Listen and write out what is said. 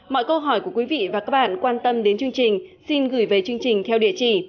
mọi câu hỏi của quý vị và các bạn quan tâm đến chương trình xin gửi về chương trình theo địa chỉ